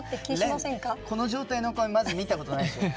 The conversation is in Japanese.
廉この状態のお米まず見たことないでしょ。